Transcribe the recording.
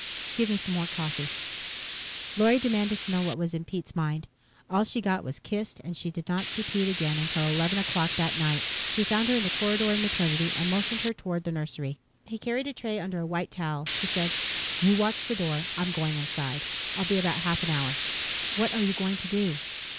"Give me some more coffee." Lorry demanded to know what was in Pete's mind. All she got was kissed, and she did not see Pete again until eleven o'clock that night. He found her in the corridor in Maternity and motioned her toward the nursery. He carried a tray under a white towel. He said, "You watch the door. I'm going inside. I'll be about a half an hour." "What are you going to do?"